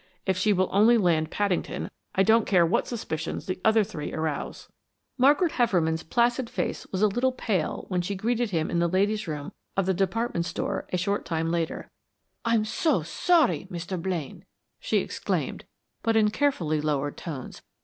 If she will only land Paddington I don't care what suspicions the other three arouse." Margaret Hefferman's placid face was a little pale when she greeted him in the ladies' room of the department store a short time later. "I'm so sorry, Mr. Blaine!" she exclaimed, but in carefully lowered tones.